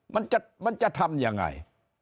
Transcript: มันจะทำยังไง